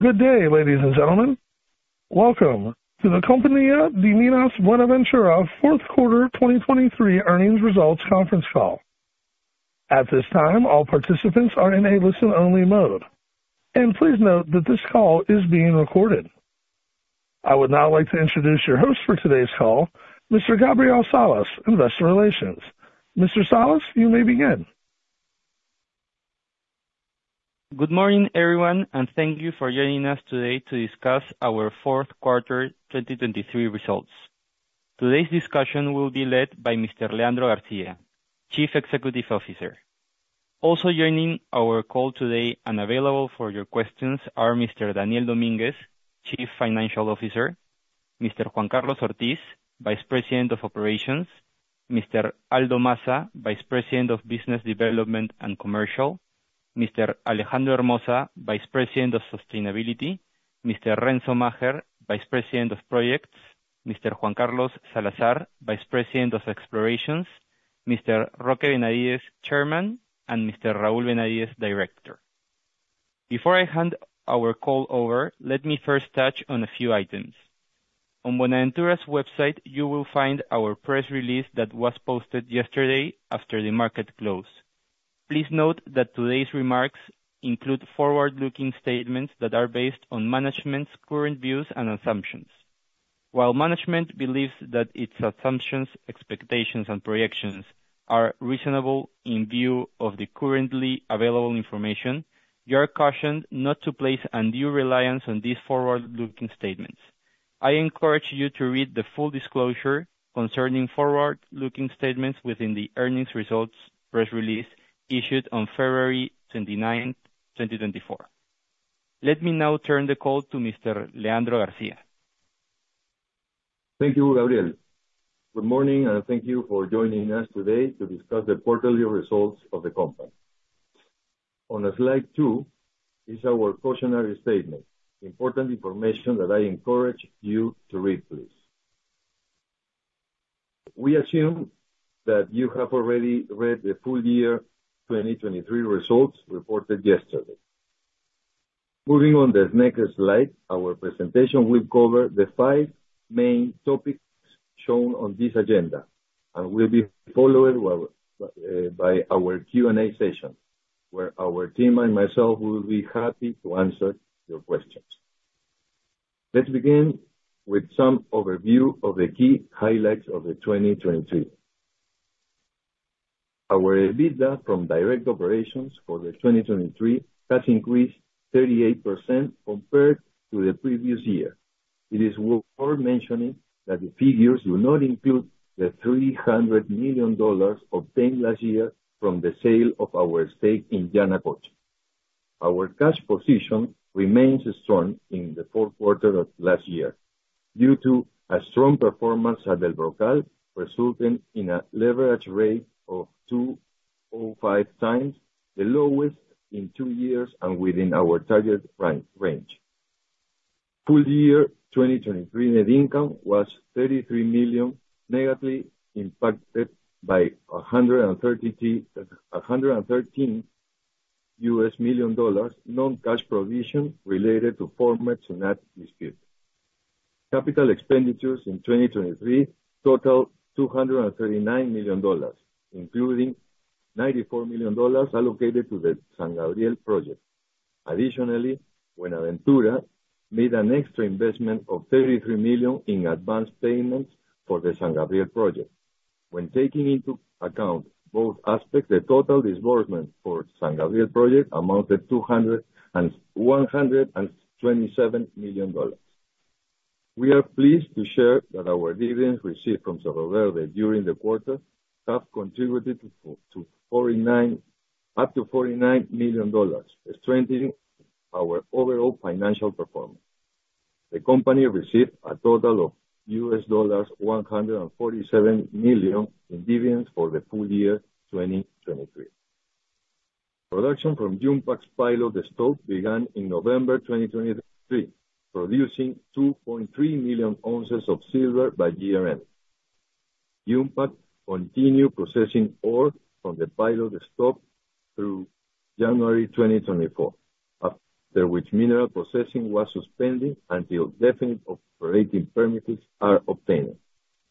Good day, ladies and gentlemen. Welcome to the Compañía de Minas Buenaventura Fourth Quarter 2023 Earnings Results Conference Call. At this time, all participants are in a listen-only mode, and please note that this call is being recorded. I would now like to introduce your host for today's call, Mr. Gabriel Salas, Investor Relations. Mr. Salas, you may begin. Good morning, everyone, and thank you for joining us today to discuss our fourth quarter 2023 results. Today's discussion will be led by Mr. Leandro García, Chief Executive Officer. Also joining our call today and available for your questions are Mr. Daniel Dominguez, Chief Financial Officer, Mr. Juan Carlos Ortiz, Vice President of Operations, Mr. Aldo Massa, Vice President of Business Development and Commercial, Mr. Alejandro Hermoza, Vice President of Sustainability, Mr. Renzo Macher, Vice President of Projects, Mr. Juan Carlos Salazar, Vice President of Explorations, Mr. Roque Benavides, Chairman, and Mr. Raúl Benavides, Director. Before I hand our call over, let me first touch on a few items. On Buenaventura's website, you will find our press release that was posted yesterday after the market closed. Please note that today's remarks include forward-looking statements that are based on management's current views and assumptions. While management believes that its assumptions, expectations, and projections are reasonable in view of the currently available information, you are cautioned not to place undue reliance on these forward-looking statements. I encourage you to read the full disclosure concerning forward-looking statements within the earnings results press release issued on February 29th, 2024. Let me now turn the call to Mr. Leandro García. Thank you, Gabriel. Good morning, and thank you for joining us today to discuss the quarterly results of the company. On slide 2 is our cautionary statement, important information that I encourage you to read, please. We assume that you have already read the full year 2023 results reported yesterday. Moving on the next slide, our presentation will cover the 5 main topics shown on this agenda, and will be followed by our Q&A session, where our team and myself will be happy to answer your questions. Let's begin with some overview of the key highlights of the 2023. Our EBITDA from direct operations for the 2023 has increased 38% compared to the previous year. It is worth mentioning that the figures do not include the $300 million obtained last year from the sale of our stake in Yanacocha. Our cash position remains strong in the fourth quarter of last year due to a strong performance at El Brocal, resulting in a leverage rate of 2.05 times, the lowest in two years and within our target range. Full year 2023 net income was $33 million, negatively impacted by a hundred and thirty-three, a hundred and thirteen US million dollars non-cash provision related to former SUNAT dispute. Capital expenditures in 2023 totaled $239 million, including $94 million allocated to the San Gabriel project. Additionally, Buenaventura made an extra investment of $33 million in advanced payments for the San Gabriel project. When taking into account both aspects, the total disbursement for San Gabriel project amounted to $127 million. We are pleased to share that our dividends received from Cerro Verde during the quarter have contributed to $49, up to $49 million, strengthening our overall financial performance. The company received a total of $147 million in dividends for the full year 2023. Production from Yumpag's pilot stope began in November 2023, producing 2.3 million ounces of silver by year end. Yumpag continued processing ore from the pilot stope through January 2024, after which mineral processing was suspended until definite operating permits are obtained,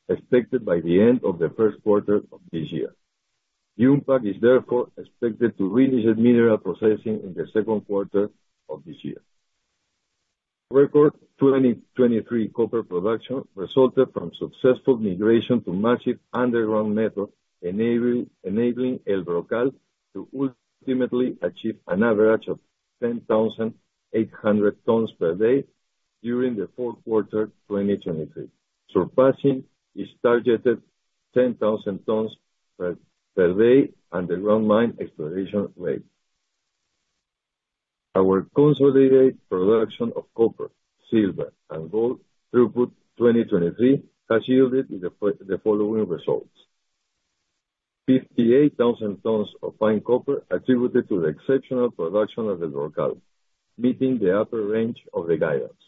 expected by the end of the first quarter of this year. Yumpag is therefore expected to release its mineral processing in the second quarter of this year. Record 2023 copper production resulted from successful migration to massive underground method, enabling El Brocal to ultimately achieve an average of 10,800 tons per day during the fourth quarter 2023, surpassing its targeted 10,000 tons per day underground mine exploration rate. Our consolidated production of copper, silver, and gold through 2023 has yielded the following results: 58,000 tons of fine copper attributed to the exceptional production of El Brocal, meeting the upper range of the guidance.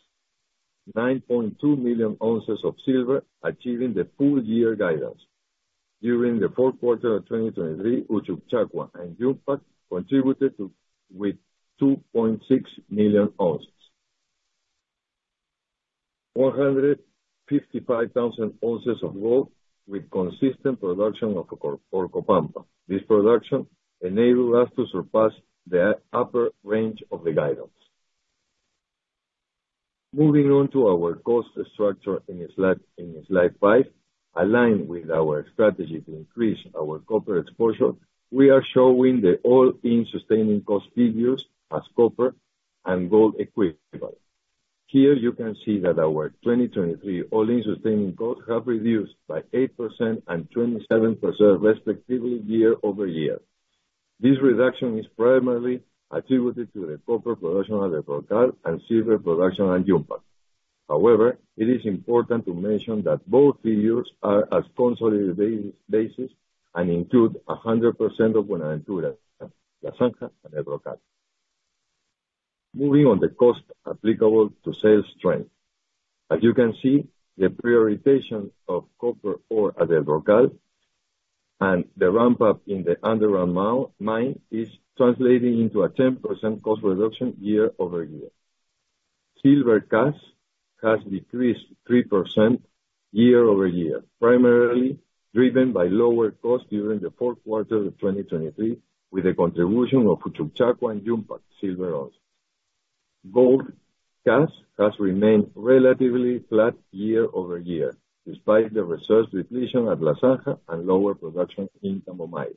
9.2 million ounces of silver, achieving the full year guidance. During the fourth quarter of 2023, Uchucchacua and Yumpag contributed to, with 2.6 million ounces. 455,000 ounces of gold with consistent production of Orcopampa. This production enabled us to surpass the upper range of the guidance. Moving on to our cost structure in slide five, aligned with our strategy to increase our copper exposure, we are showing the all-in sustaining cost figures as copper and gold equivalent. Here you can see that our 2023 all-in sustaining costs have reduced by 8% and 27% respectively, year-over-year. This reduction is primarily attributed to the copper production at El Brocal and silver production at Yumpag. However, it is important to mention that both figures are as consolidated basis, and include 100% of Buenaventura, La Zanja, and El Brocal. Moving on to the cost applicable to sales trend. As you can see, the prioritization of copper ore at El Brocal and the ramp-up in the underground mine is translating into a 10% cost reduction year-over-year. Silver cash cost has decreased 3% year-over-year, primarily driven by lower costs during the fourth quarter of 2023, with a contribution of Uchucchacua and Yumpag silver ounce. Gold cash cost has remained relatively flat year-over-year, despite the resource depletion at La Zanja and lower production in Tambomayo.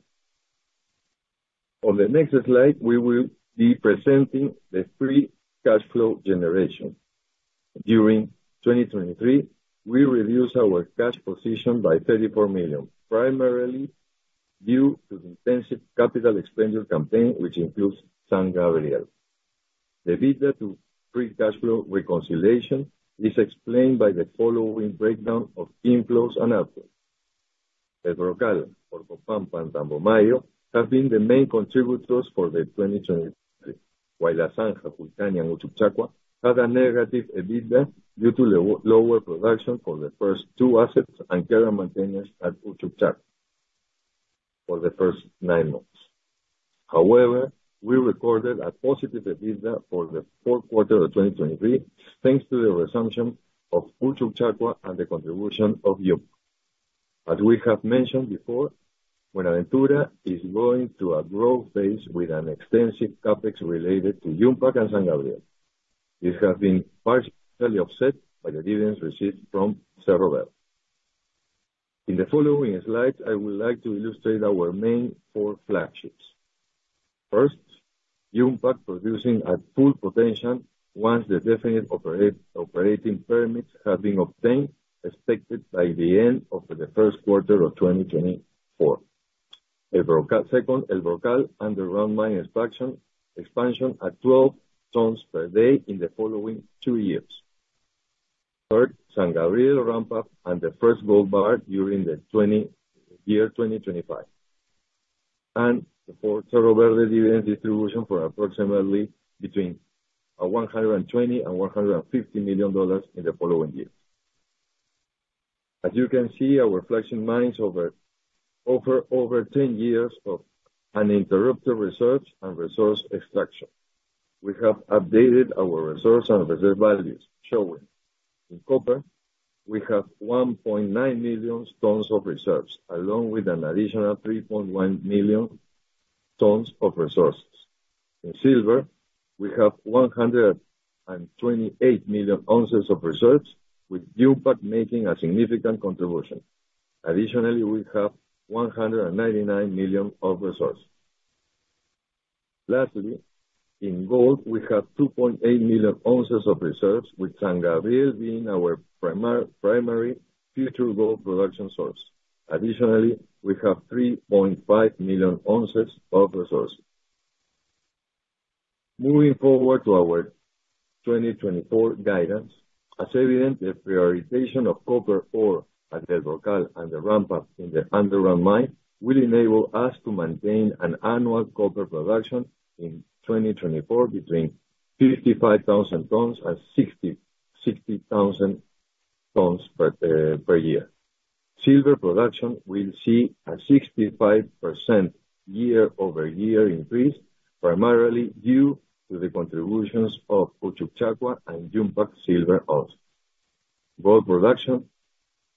On the next slide, we will be presenting the free cash flow generation. During 2023, we reduced our cash position by $34 million, primarily due to the intensive capital expenditure campaign, which includes San Gabriel. The EBITDA to free cash flow reconciliation is explained by the following breakdown of inflows and outflows. El Brocal, Orcopampa, and Tambomayo have been the main contributors for 2023, while La Zanja, Julcani, and Uchucchacua had a negative EBITDA due to the lower production for the first two assets and care and maintenance at Uchucchacua for the first nine months. However, we recorded a positive EBITDA for the fourth quarter of 2023, thanks to the resumption of Uchucchacua and the contribution of Yumpag. As we have mentioned before, Buenaventura is going through a growth phase with an extensive CapEx related to Yumpag and San Gabriel. This has been partially offset by the dividends received from Cerro Verde. In the following slides, I would like to illustrate our main four flagships. First, Yumpag producing at full potential once the definite operating permits have been obtained, expected by the end of the first quarter of 2024. Second, El Brocal underground mine expansion, expansion at 12 tons per day in the following two years. Third, San Gabriel ramp-up and the first gold bar during the year 2025. And the fourth, Cerro Verde dividend distribution for approximately between $120 million and $150 million in the following year. As you can see, our flagship mines over 10 years of uninterrupted research and resource extraction. We have updated our reserves and reserve values, showing: in copper, we have 1.9 million tons of reserves, along with an additional 3.1 million tons of resources. In silver, we have 128 million ounces of reserves, with Yumpag making a significant contribution. Additionally, we have 199 million of reserves. Lastly, in gold, we have 2.8 million ounces of reserves, with San Gabriel being our primary future gold production source. Additionally, we have 3.5 million ounces of resources. Moving forward to our 2024 guidance, as evident, the prioritization of copper ore at El Brocal and the ramp-up in the underground mine will enable us to maintain an annual copper production in 2024 between 55,000 tons and 60,000 tons per year. Silver production will see a 65% year-over-year increase, primarily due to the contributions of Uchucchacua and Yumpag silver ounce. Gold production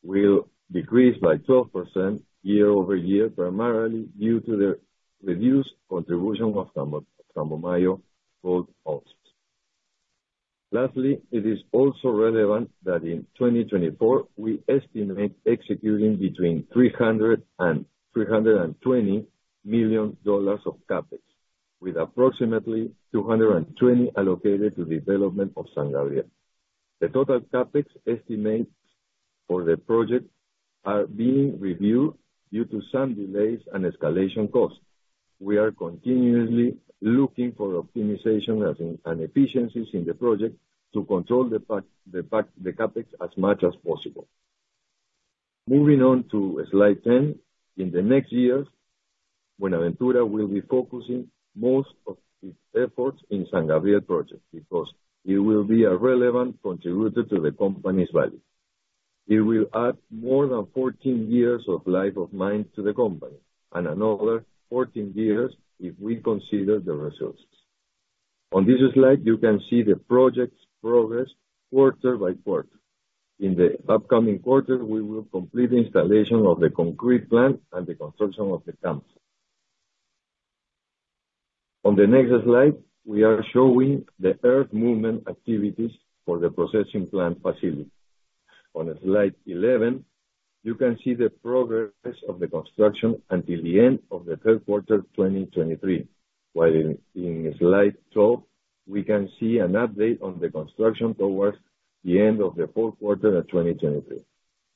will decrease by 12% year-over-year, primarily due to the reduced contribution of Tambomayo gold ounces. Lastly, it is also relevant that in 2024, we estimate executing between $300 million and $320 million of CapEx, with approximately 220 allocated to development of San Gabriel. The total CapEx estimates for the project are being reviewed due to some delays and escalation costs. We are continuously looking for optimization and efficiencies in the project to control the CapEx as much as possible. Moving on to slide 10. In the next years, Buenaventura will be focusing most of its efforts in San Gabriel project because it will be a relevant contributor to the company's value. It will add more than 14 years of life of mine to the company, and another 14 years if we consider the resources. On this slide, you can see the project's progress quarter by quarter. In the upcoming quarter, we will complete installation of the concrete plant and the construction of the camps. On the next slide, we are showing the earth movement activities for the processing plant facility. On slide 11, you can see the progress of the construction until the end of the third quarter, 2023. While in slide 12, we can see an update on the construction towards the end of the fourth quarter of 2023.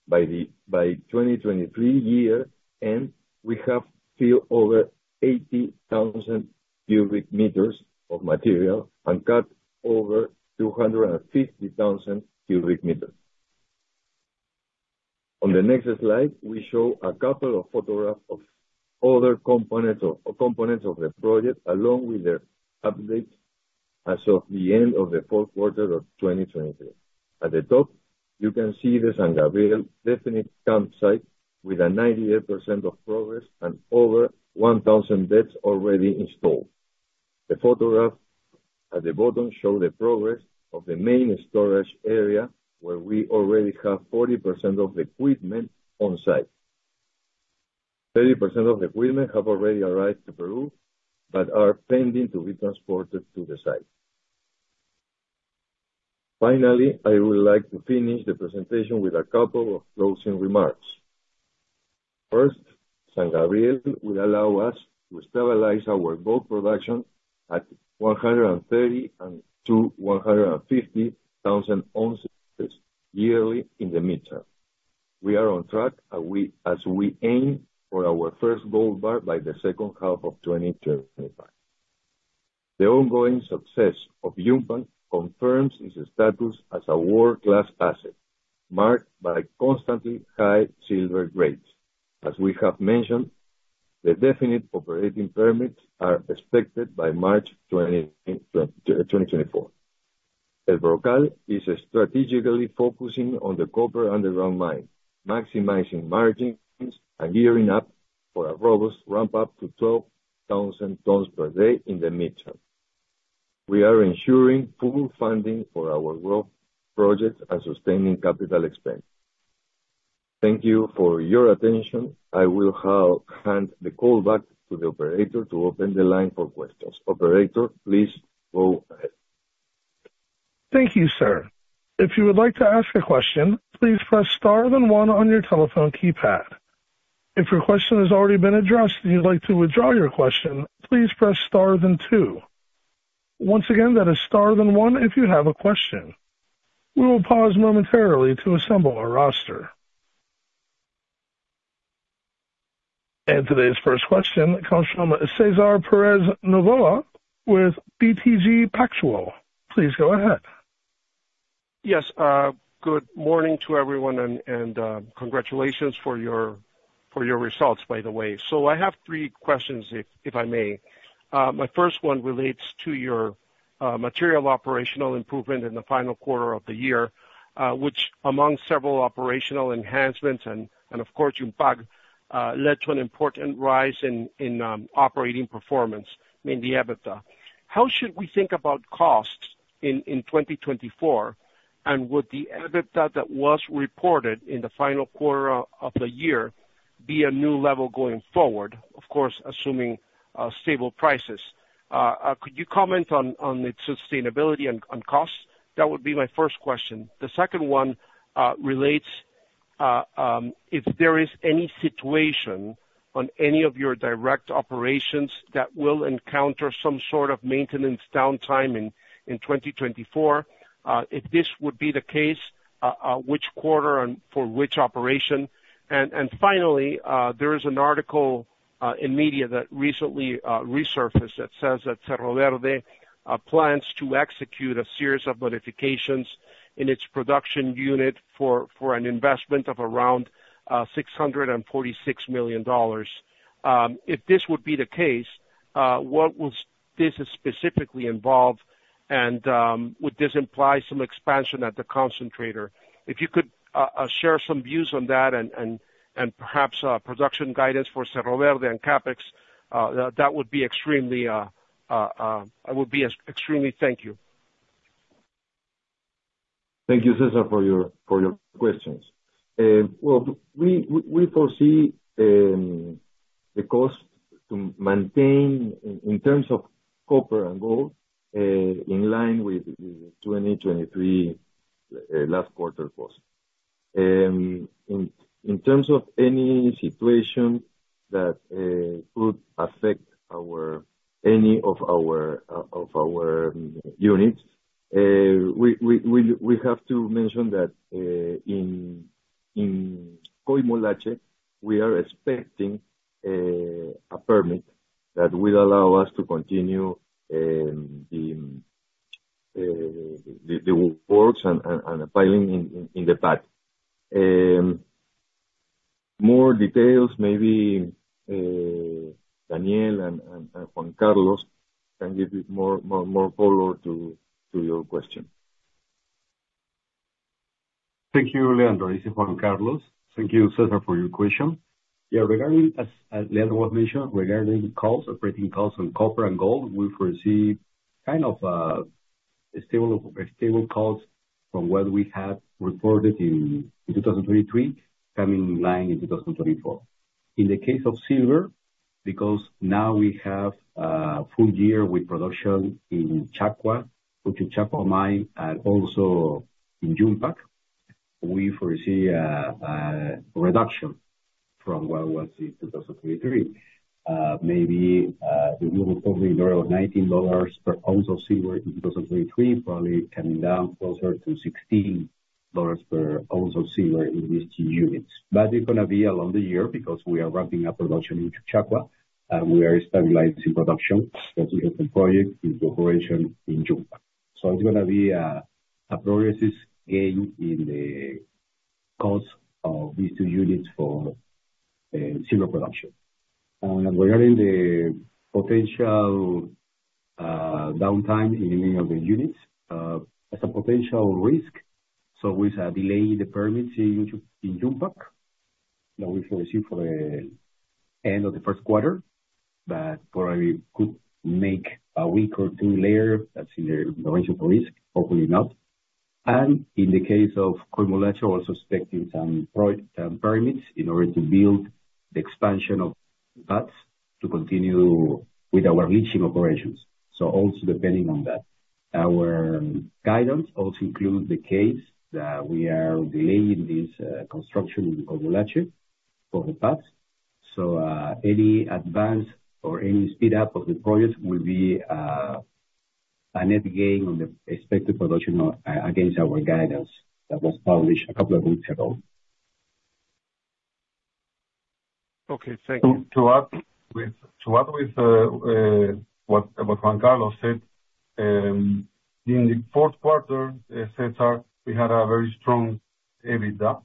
By 2023 year end, we have filled over 80,000 cubic meters of material and cut over 250,000 cubic meters. On the next slide, we show a couple of photographs of other components of the project, along with the updates as of the end of the fourth quarter of 2023. At the top, you can see the San Gabriel definite campsite, with a 98% of progress and over 1,000 beds already installed. The photograph at the bottom show the progress of the main storage area, where we already have 40% of the equipment on site. 30% of the equipment have already arrived to Peru, but are pending to be transported to the site. Finally, I would like to finish the presentation with a couple of closing remarks. First, San Gabriel will allow us to stabilize our gold production at 130 to 150 thousand ounces yearly in the midterm. We are on track, and as we aim for our first gold bar by the second half of 2025. The ongoing success of Yumpag confirms its status as a world-class asset, marked by constantly high silver grades. As we have mentioned, the definite operating permits are expected by March 20, 2024. El Brocal is strategically focusing on the copper underground mine, maximizing margins and gearing up for a robust ramp up to 12,000 tons per day in the midterm. We are ensuring full funding for our growth projects and sustaining capital expense. Thank you for your attention. I will now hand the call back to the operator to open the line for questions. Operator, please go ahead. Thank you, sir. If you would like to ask a question, please press star then one on your telephone keypad. If your question has already been addressed, and you'd like to withdraw your question, please press star then two. Once again, that is star then one if you have a question. We will pause momentarily to assemble our roster. Today's first question comes from Cesar Perez Novoa with BTG Pactual. Please go ahead. Yes, good morning to everyone, and, and, congratulations for your, for your results, by the way. So I have three questions, if I may. My first one relates to your material operational improvement in the final quarter of the year, which among several operational enhancements and, and of course, Yumpag, led to an important rise in, in, operating performance in the EBITDA. How should we think about costs in 2024? And would the EBITDA that was reported in the final quarter of the year be a new level going forward, of course, assuming stable prices? Could you comment on its sustainability and on costs? That would be my first question. The second one relates if there is any situation on any of your direct operations that will encounter some sort of maintenance downtime in 2024. If this would be the case, which quarter and for which operation? And finally, there is an article in media that recently resurfaced that says that Cerro Verde plans to execute a series of modifications in its production unit for an investment of around $646 million. If this would be the case, what would this specifically involve? And would this imply some expansion at the concentrator? If you could share some views on that and perhaps production guidance for Cerro Verde and CapEx, that would be extremely. I would be extremely thank you. Thank you, Cesar, for your questions. Well, we foresee the cost to maintain in terms of copper and gold in line with 2023 last quarter costs. In terms of any situation that could affect our any of our units, we have to mention that in Coimolache, we are expecting a permit that will allow us to continue the reports and filing in the past. More details, maybe, Daniel and Juan Carlos can give you more color to your question. Thank you, Leandro. This is Juan Carlos. Thank you, Cesar, for your question. Yeah, regarding, as Leandro mentioned, regarding the costs, operating costs on copper and gold, we foresee kind of a stable cost from what we had reported in 2023 coming in line in 2024. In the case of silver, because now we have full year with production in Uchucchacua, which in Uchucchacua mine and also in Yumpag, we foresee a reduction from what was in 2023. Maybe we will probably lower $19 per ounce of silver in 2023, probably coming down closer to $16 per ounce of silver in these two units. But it's gonna be along the year, because we are ramping up production into Uchucchacua, and we are stabilizing production, as we have the project into operation in June. So it's gonna be progress is gained in the cost of these two units for silver production. And regarding the potential downtime in any of the units as a potential risk, so we have delayed the permits in Yumpag, that we foresee for the end of the first quarter, but probably could make a week or two later. That's in the range of risk, hopefully not. And in the case of Uchucchacua, also expecting some permits in order to build the expansion of vats, to continue with our leaching operations. So also depending on that. Our guidance also includes the case that we are delaying this construction of the leach pad for the vats. So, any advance or any speed up of the project will be a net gain on the expected production against our guidance that was published a couple of weeks ago. Okay, thank you. To add to what Juan Carlos said, in the fourth quarter, Cesar, we had a very strong EBITDA.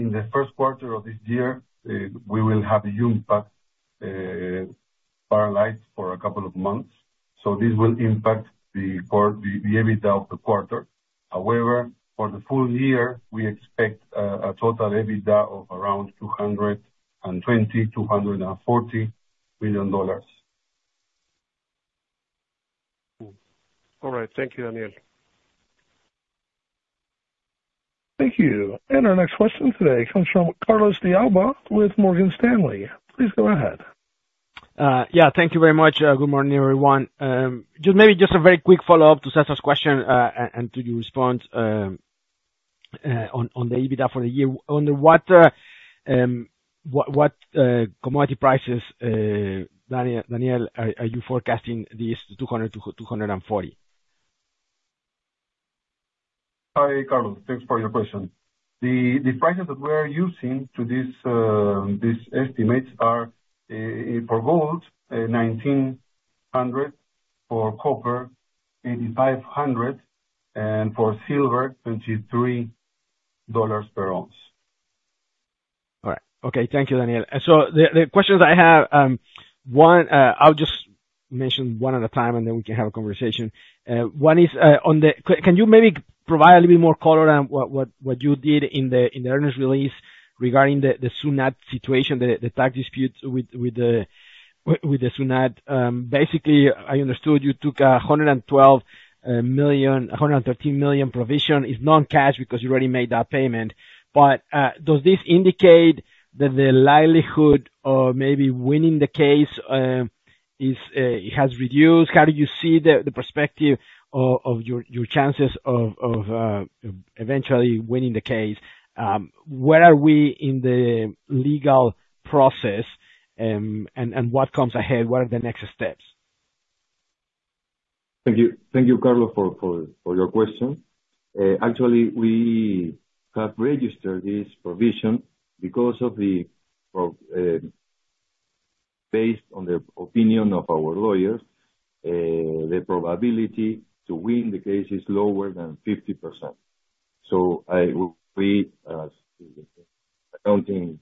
In the first quarter of this year, we will have Yumpag paralyzed for a couple of months, so this will impact the quarter, the EBITDA of the quarter. However, for the full year, we expect a total EBITDA of around $220 million-$240 million. All right. Thank you, Daniel. Thank you. Our next question today comes from Carlos de Alba with Morgan Stanley. Please go ahead. Yeah, thank you very much. Good morning, everyone. Just maybe a very quick follow-up to Cesar's question and to your response on the EBITDA for the year. Under what commodity prices, Daniel, are you forecasting this $200 million-$240 million? Hi, Carlos. Thanks for your question. The prices that we are using to this estimates are for gold, $1,900, for copper, $8,500, and for silver, $23 per ounce. All right. Okay, thank you, Daniel. So the questions I have, one, I'll just mention one at a time, and then we can have a conversation. One is on the. Can you maybe provide a little bit more color on what you did in the earnings release regarding the SUNAT situation, the tax dispute with the SUNAT? Basically, I understood you took $112 million, $113 million provision. It's non-cash because you already made that payment. But, does this indicate that the likelihood of maybe winning the case has reduced? How do you see the perspective of your chances of eventually winning the case? Where are we in the legal process, and what comes ahead? What are the next steps? Thank you. Thank you, Carlos, for your question. Actually, we have registered this provision because, based on the opinion of our lawyers, the probability to win the case is lower than 50%. So, by accounting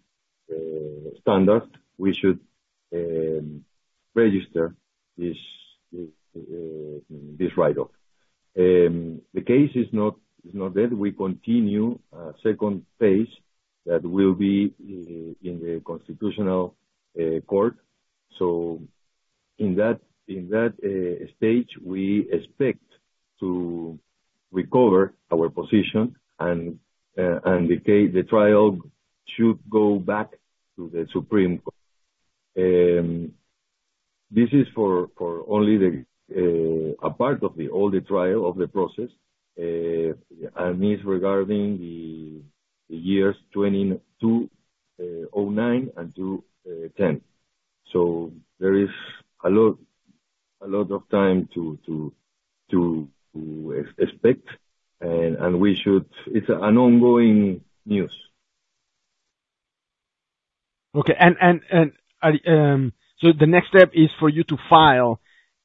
standard, we should register this write-off. The case is not dead. We continue a second phase that will be in the constitutional court. So in that stage, we expect to recover our position and the case, the trial should go back to the Supreme Court. This is for only a part of all the trial of the process, and is regarding the years 2009 and 2010. So there is a lot of time to expect, and we should... It's an ongoing news. Okay, and so the next step is for you to file,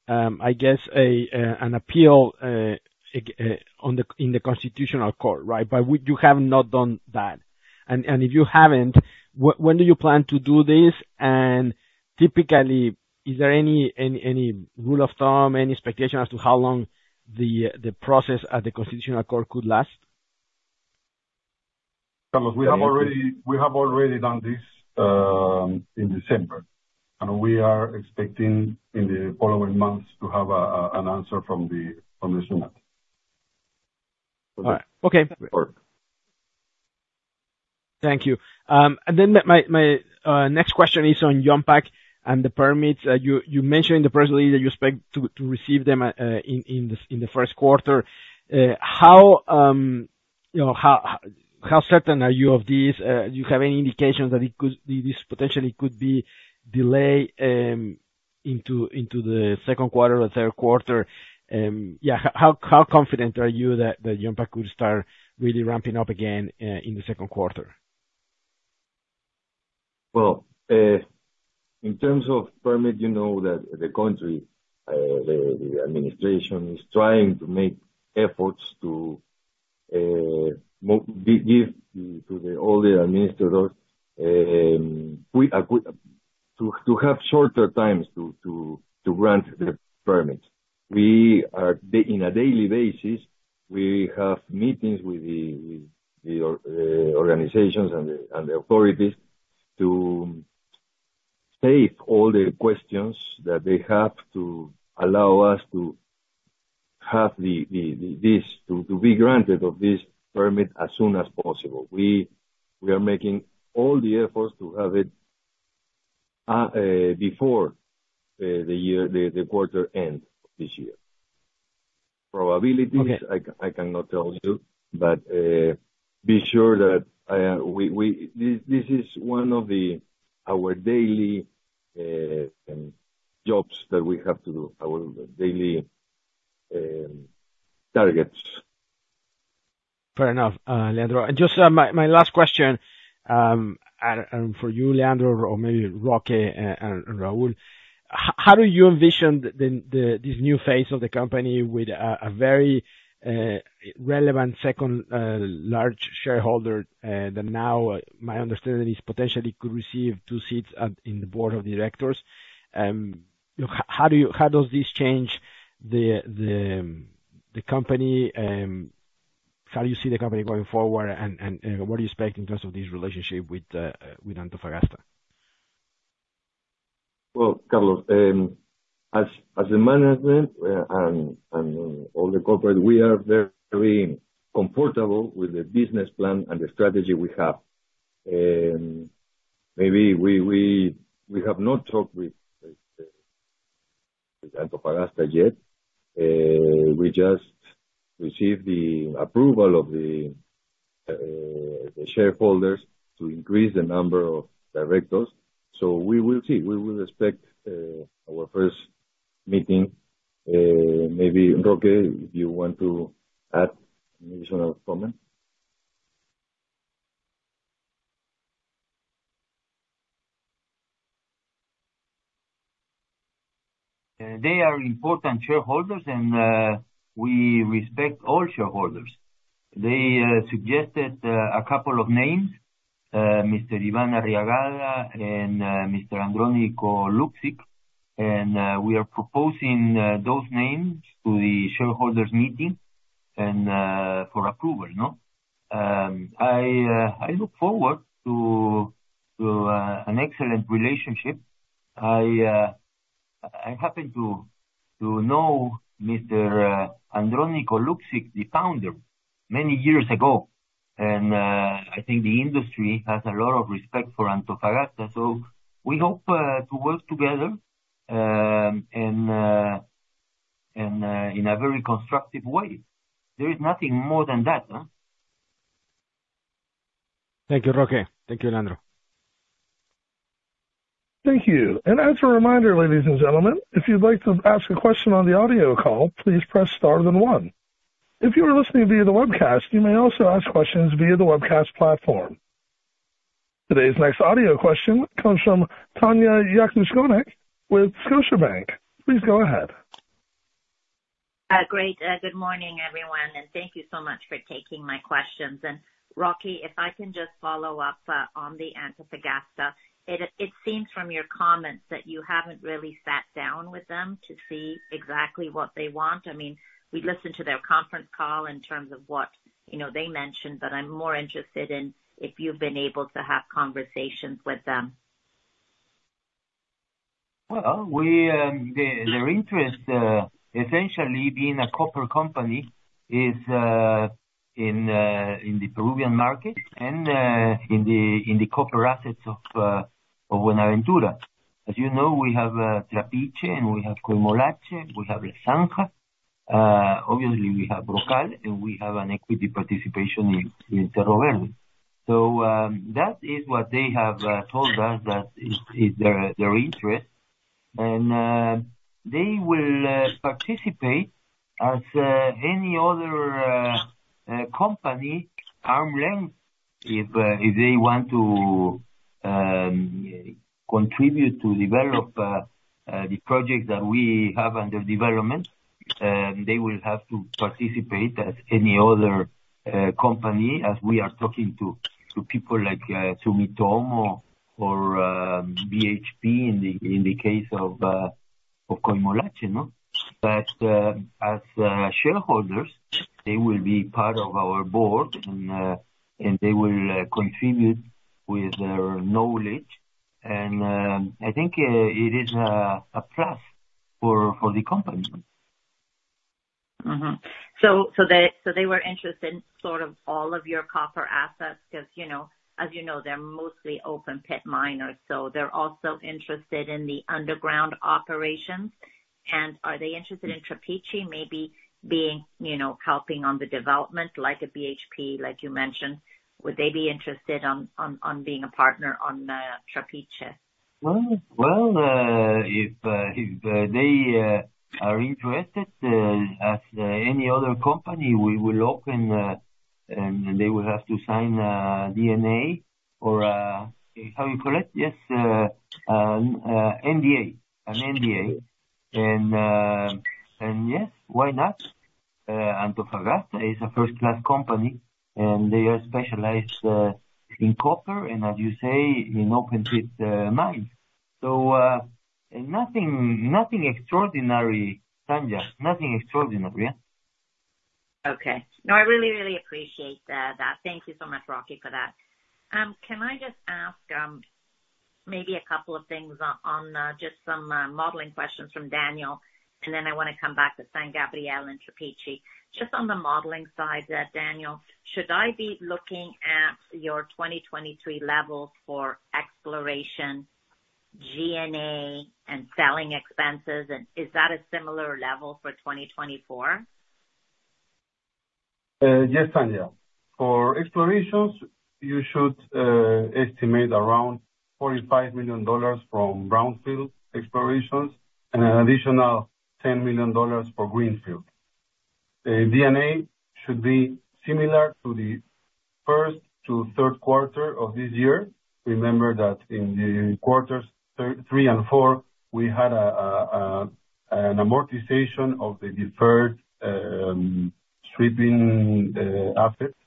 I guess, an appeal in the Constitutional Court, right? But you have not done that. And if you haven't, when do you plan to do this? And typically, is there any rule of thumb, any expectation as to how long the process at the Constitutional Court could last? Carlos, we have already, we have already done this in December, and we are expecting in the following months to have an answer from the Supreme. All right. Okay. Thank you. And then my next question is on Yumpag and the permits. You mentioned in the press release that you expect to receive them in the first quarter. How, you know, how certain are you of this? Do you have any indications that it could, this potentially could be delayed into the second quarter or third quarter? Yeah, how confident are you that Yumpag could start really ramping up again in the second quarter? Well, in terms of permit, you know that the country, the administration is trying to make efforts to give to all the administrators to have shorter times to grant the permits. We are on a daily basis, we have meetings with the organizations and the authorities to take all the questions that they have to allow us to have this to be granted of this permit as soon as possible. We are making all the efforts to have it before the quarter end this year. Probabilities- Okay. I cannot tell you, but be sure that we... This is one of our daily jobs that we have to do, our daily targets. Fair enough, Leandro. And just my last question for you, Leandro, or maybe Roque and Raúl, how do you envision this new phase of the company with a very relevant second large shareholder that now, my understanding is, potentially could receive two seats in the board of directors? How does this change the company, how do you see the company going forward, and what do you expect in terms of this relationship with Antofagasta? Well, Carlos, as management and all the corporate, we are very comfortable with the business plan and the strategy we have. Maybe we have not talked with Antofagasta yet. We just received the approval of the shareholders to increase the number of directors. So we will see. We will expect our first meeting, maybe, Roque, if you want to add an additional comment? They are important shareholders, and we respect all shareholders. They suggested a couple of names, Mr. Iván Arriagada and Mr. Andrónico Luksic, and we are proposing those names to the shareholders' meeting, and for approval, no? I look forward to an excellent relationship. I happen to know Mr. Andrónico Luksic, the founder, many years ago, and I think the industry has a lot of respect for Antofagasta. So we hope to work together, and in a very constructive way. There is nothing more than that, huh? Thank you, Roque. Thank you, Leandro. Thank you. And as a reminder, ladies and gentlemen, if you'd like to ask a question on the audio call, please press star then one. If you are listening via the webcast, you may also ask questions via the webcast platform. Today's next audio question comes from Tanya Jakusconek with Scotiabank. Please go ahead. Great. Good morning, everyone, and thank you so much for taking my questions. And Roque, if I can just follow up on the Antofagasta. It seems from your comments that you haven't really sat down with them to see exactly what they want. I mean, we listened to their conference call in terms of what, you know, they mentioned, but I'm more interested in if you've been able to have conversations with them. Well, their interest, essentially being a copper company, is in the Peruvian market and in the copper assets of Buenaventura. As you know, we have in Tantahuatay, and we have Coimolache, we have La Zanja, obviously we have El Brocal, and we have an equity participation in Terramin. So, that is what they have told us, that is their interest. And they will participate as any other company arm's length, if they want to contribute to develop the project that we have under development, they will have to participate as any other company, as we are talking to people like Sumitomo or BHP in the case of Coimolache, no? As shareholders, they will be part of our board, and they will contribute with their knowledge, and I think it is a plus for the company. Mm-hmm. So they were interested in sort of all of your copper assets, because, you know, as you know, they're mostly open pit miners, so they're also interested in the underground operations. And are they interested in Trapiche, maybe being, you know, helping on the development, like a BHP, like you mentioned, would they be interested on being a partner on Trapiche? Well, well, if they are interested, as any other company, we will open, and they will have to sign an NDA or a, how you call it? Yes, an NDA, an NDA. And, yes, why not? Antofagasta is a first-class company, and they are specialized in copper and, as you say, in open pit mine. So, nothing, nothing extraordinary, Tanya, nothing extraordinary, yeah. Okay. No, I really, really appreciate that. Thank you so much, Rocky, for that. Can I just ask, maybe a couple of things on, just some modeling questions from Daniel, and then I wanna come back to San Gabriel and Trapiche. Just on the modeling side there, Daniel, should I be looking at your 2023 levels for exploration, G&A, and selling expenses? And is that a similar level for 2024? Yes, Tanya. For explorations, you should estimate around $45 million from brownfield explorations and an additional $10 million for greenfield. The G&A should be similar to the first to third quarter of this year. Remember that in the quarters three and four, we had an amortization of the deferred stripping assets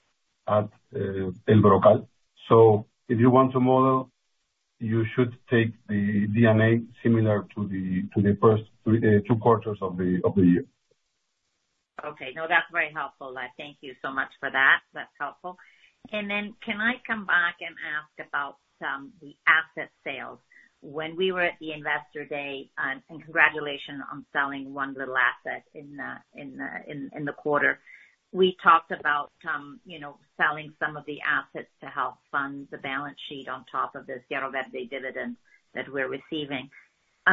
at El Brocal. So if you want to model, you should take the G&A similar to the first two quarters of the year. Okay. No, that's very helpful. I thank you so much for that. That's helpful. And then can I come back and ask about the asset sales? When we were at the Investor Day, and congratulations on selling one little asset in the quarter. We talked about, you know, selling some of the assets to help fund the balance sheet on top of the dividend that we're receiving.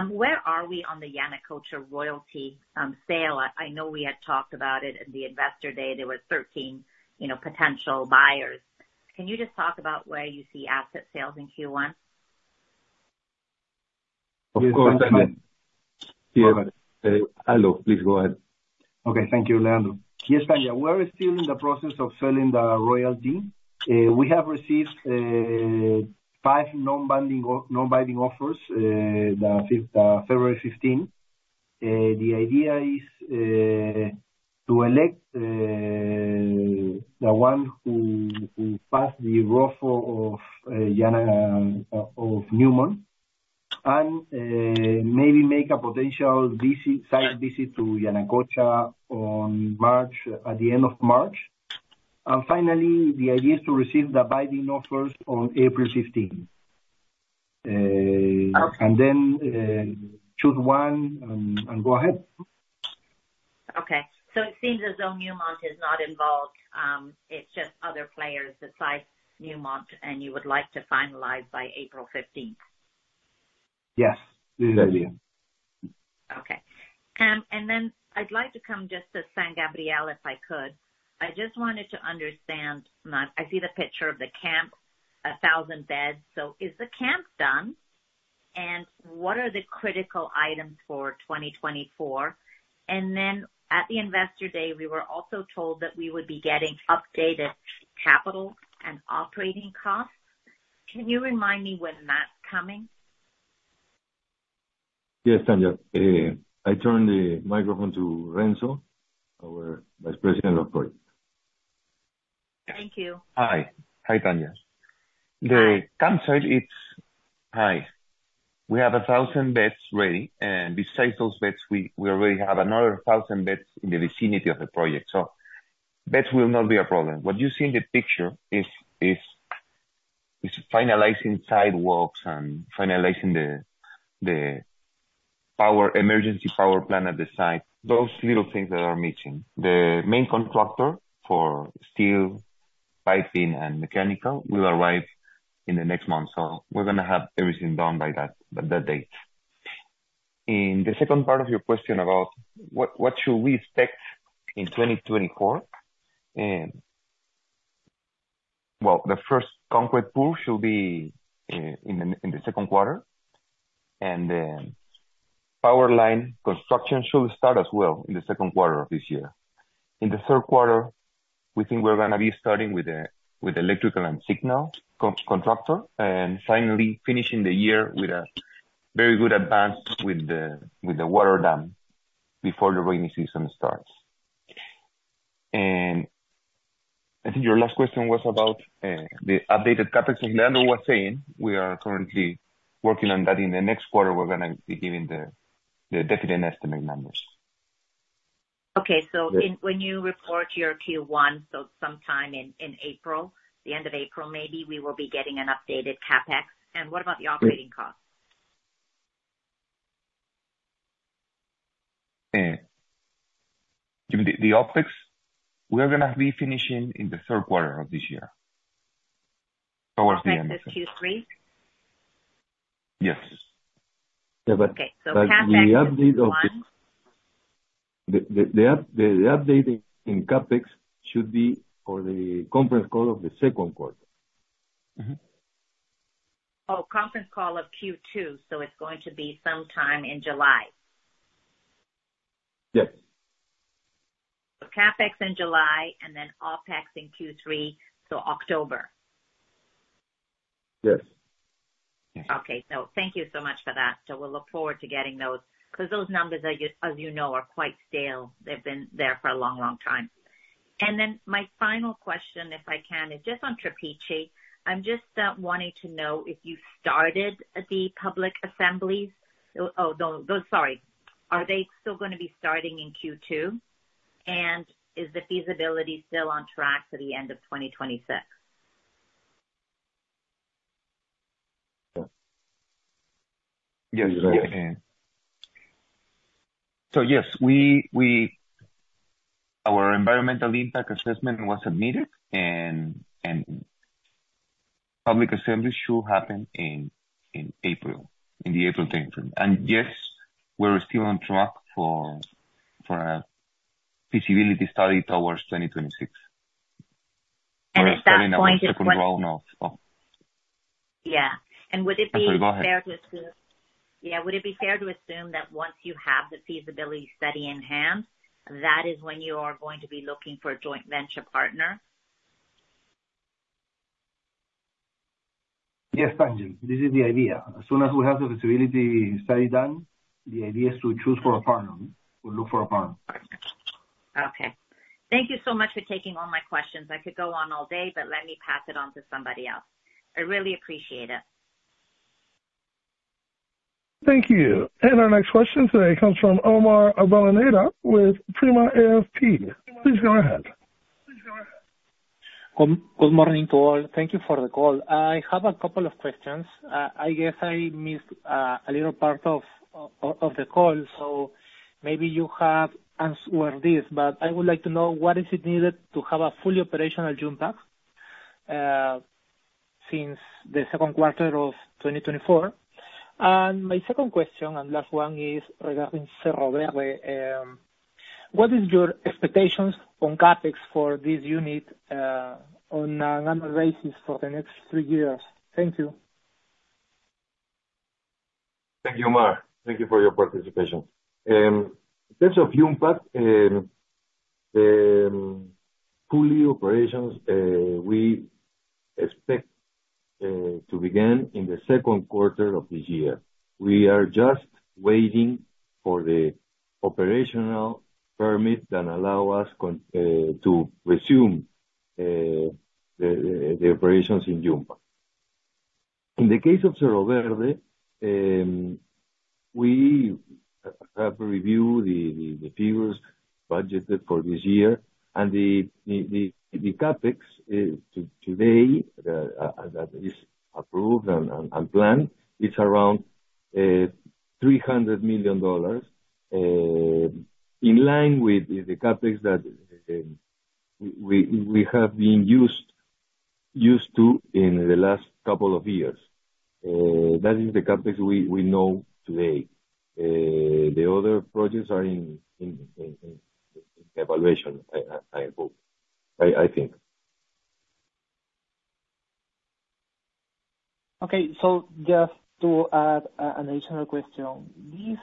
Where are we on the Yanacocha royalty sale? I know we had talked about it in the Investor Day. There were 13, you know, potential buyers. Can you just talk about where you see asset sales in Q1? Of course. Hello, please go ahead. Okay. Thank you, Leandro. Yes, Tanya, we're still in the process of selling the royalty. We have received 5 non-binding offers, the fifth February 15. The idea is to elect the one who passed the ROFO of Yanacocha of Newmont, and maybe make a potential visit, site visit to Yanacocha on March, at the end of March. And finally, the idea is to receive the binding offers on April 15. Okay. and then, choose one and go ahead. Okay. So it seems as though Newmont is not involved. It's just other players besides Newmont, and you would like to finalize by April fifteenth? Yes. Mm-hmm. That's it. Okay. And then I'd like to come just to San Gabriel, if I could. I just wanted to understand, now I see the picture of the camp, 1,000 beds. So is the camp done? And what are the critical items for 2024? And then at the investor day, we were also told that we would be getting updated capital and operating costs. Can you remind me when that's coming? Yes, Tanya. I turn the microphone to Renzo, our Vice President of Projects. Thank you. Hi. Hi, Tanya. The campsite, it's high. We have 1,000 beds ready, and besides those beds, we already have another 1,000 beds in the vicinity of the project, so beds will not be a problem. What you see in the picture is finalizing sidewalks and finalizing the power, emergency power plant at the site. Those little things that are missing. The main contractor for steel piping and mechanical will arrive in the next month, so we're gonna have everything done by that date. In the second part of your question about what should we expect in 2024, well, the first concrete pool should be in the second quarter, and then power line construction should start as well in the second quarter of this year. In the third quarter, we think we're gonna be starting with the electrical and signal contractor, and finally finishing the year with a very good advance with the water dam, before the rainy season starts. I think your last question was about the updated CapEx. Like Leandro was saying, we are currently working on that. In the next quarter, we're gonna be giving the definite estimate numbers. Okay. Yeah. So when you report your Q1, so sometime in April, the end of April maybe, we will be getting an updated CapEx? And what about the operating costs? The OpEx, we are gonna be finishing in the third quarter of this year, towards the end. CapEx is Q3? Yes. Yeah, but- Okay, so CapEx- The update in CapEx should be for the conference call of the second quarter. Mm-hmm. Oh, conference call of Q2, so it's going to be sometime in July? Yes. So CapEx in July, and then OpEx in Q3, so October. Yes. Okay. So thank you so much for that. So we'll look forward to getting those, 'cause those numbers are just, as you know, are quite stale. They've been there for a long, long time. And then my final question, if I can, is just on Trapiche. I'm just wanting to know if you started the public assemblies... Oh, no, those, sorry. Are they still gonna be starting in Q2? And is the feasibility still on track for the end of 2026? Yes. Yeah. So yes, our environmental impact assessment was submitted, and public assembly should happen in April, in the April timeframe. And yes, we're still on track for a feasibility study towards 2026. At that point. Second row now, so. Yeah. And would it be- I'm sorry, go ahead. Yeah, would it be fair to assume that once you have the feasibility study in hand, that is when you are going to be looking for a joint venture partner? Yes, thank you. This is the idea. As soon as we have the feasibility study done, the idea is to choose for a partner, or look for a partner. Okay. Thank you so much for taking all my questions. I could go on all day, but let me pass it on to somebody else. I really appreciate it. Thank you. Our next question today comes from Omar Avellaneda, with Prima AFP. Please go ahead. Good, good morning to all. Thank you for the call. I have a couple of questions. I guess I missed a little part of the call, so maybe you have answered this, but I would like to know what is it needed to have a fully operational Yumpag since the second quarter of 2024? And my second question, and last one, is regarding Cerro Verde. What is your expectations on CapEx for this unit on a annual basis for the next three years? Thank you. Thank you, Omar. Thank you for your participation. In terms of Yumpag, full operations, we expect to begin in the second quarter of this year. We are just waiting for the operational permit that allow us to resume the operations in Yumpag. In the case of Cerro Verde, we have reviewed the figures budgeted for this year, and the CapEx today that is approved and planned is around $300 million, in line with the CapEx that we have been used to in the last couple of years. That is the CapEx we know today. The other projects are in evaluation, I think. Okay. So just to add an additional question. This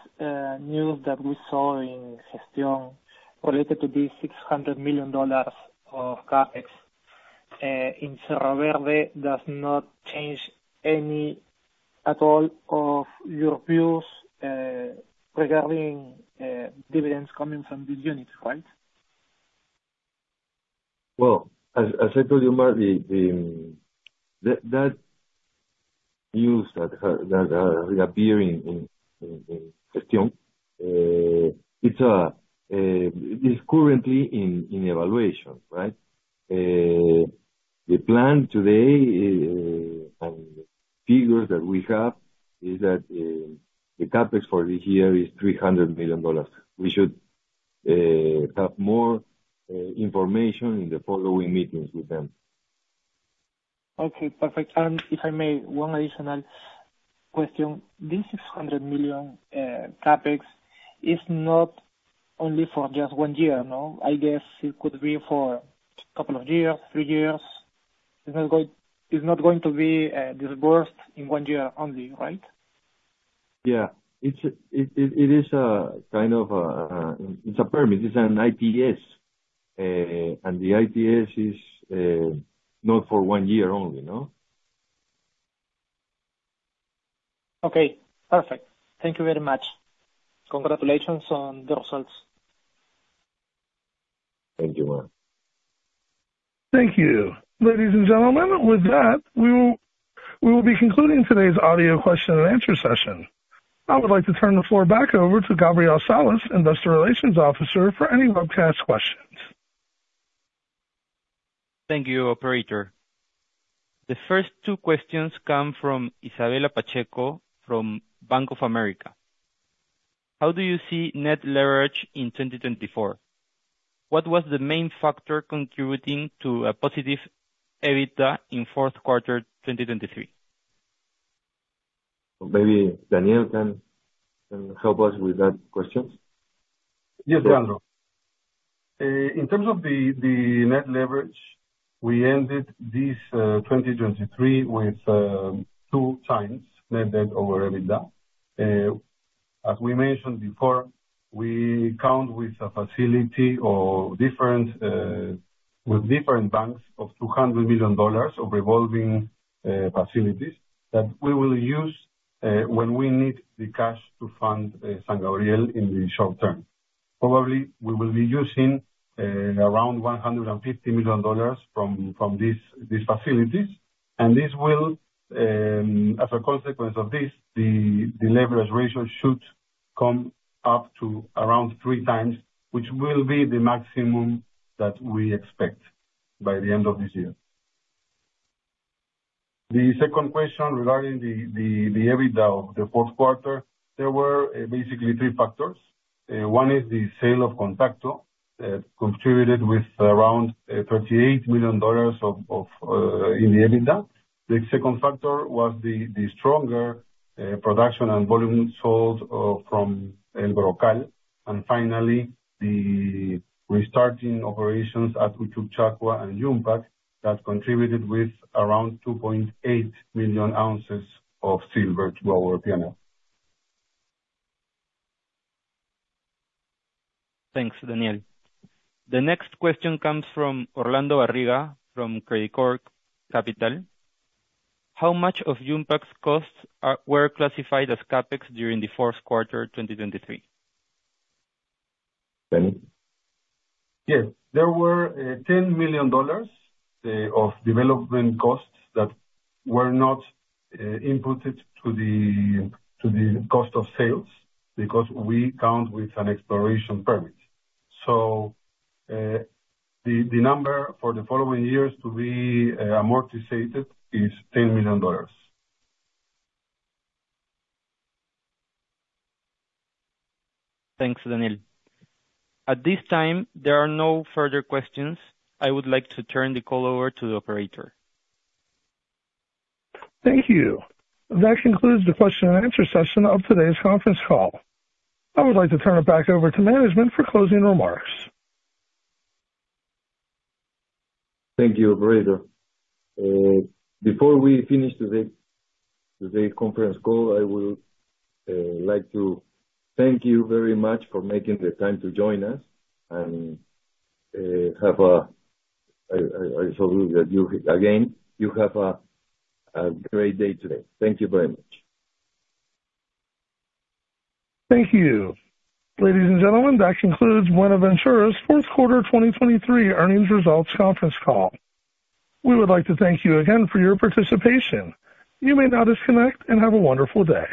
news that we saw in system related to this $600 million of CapEx in Cerro Verde does not change any at all of your views regarding dividends coming from this unit, right? Well, as I told you, Omar, that news that appear in, it's currently in evaluation, right? The plan today and figures that we have is that the CapEx for this year is $300 million. We should have more information in the following meetings with them. Okay, perfect. And if I may, one additional question, this $600 million CapEx is not only for just one year, no? I guess it could be for couple of years, three years. It's not going to be disbursed in one year only, right? Yeah. It's a kind of permit, it's an ITS. And the ITS is not for one year only, no? Okay, perfect. Thank you very much. Congratulations on the results. Thank you. Thank you. Ladies and gentlemen, with that, we will, we will be concluding today's audio question and answer session. I would like to turn the floor back over to Gabriel Salas, Investor Relations Officer, for any webcast questions. Thank you, operator. The first two questions come from Isabella Pacheco, from Bank of America. How do you see net leverage in 2024? What was the main factor contributing to a positive EBITDA in fourth quarter 2023? Maybe Daniel can help us with that questions. Yes, Gabriel. In terms of the net leverage, we ended this 2023 with two times net debt over EBITDA. As we mentioned before, we count with a facility or different with different banks of $200 million of revolving facilities, that we will use when we need the cash to fund San Gabriel in the short term. Probably, we will be using around $150 million from these facilities, and this will... As a consequence of this, the leverage ratio should come up to around three times, which will be the maximum that we expect by the end of this year. The second question regarding the EBITDA of the fourth quarter, there were basically three factors. One is the sale of Contacto, contributed with around $38 million of in the EBITDA. The second factor was the stronger production and volume sold from El Brocal. And finally, the restarting operations at Uchucchacua and Yumpag, that contributed with around 2.8 million ounces of silver to our P&L. Thanks, Daniel. The next question comes from Orlando Barriga, from Credicorp Capital. How much of Yumpag's costs were classified as CapEx during the fourth quarter, 2023? Danny? Yeah. There were ten million dollars of development costs that were not inputted to the cost of sales, because we count with an exploration permit. So, the number for the following years to be amortized is $10 million. Thanks, Daniel. At this time, there are no further questions. I would like to turn the call over to the operator. Thank you. That concludes the question and answer session of today's conference call. I would like to turn it back over to management for closing remarks. Thank you, operator. Before we finish today, today's conference call, I would like to thank you very much for making the time to join us, and I salute you again. You have a great day today. Thank you very much. Thank you. Ladies and gentlemen, that concludes Buenaventura's fourth quarter 2023 earnings results conference call. We would like to thank you again for your participation. You may now disconnect and have a wonderful day.